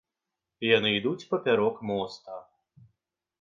Яны ідуць папярок моста.